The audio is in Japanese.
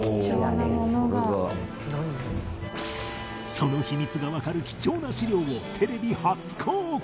その秘密がわかる貴重な史料をテレビ初公開！